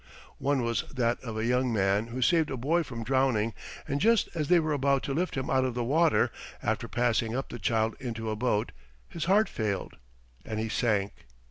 One was that of a young man who saved a boy from drowning and just as they were about to lift him out of the water, after passing up the child into a boat, his heart failed, and he sank.